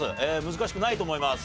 難しくないと思います。